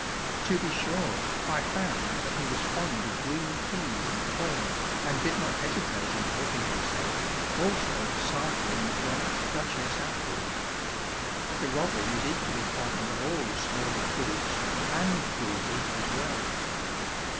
To be sure, I found that he was fond of green peas and corn and did not hesitate in helping himself, also sampling the bright Duchess apples. The robin is equally fond of all small fruits, and greedy as well.